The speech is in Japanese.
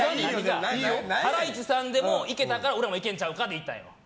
ハライチさんでもいけたから俺らもいけるんちゃうかで行ったんですよ。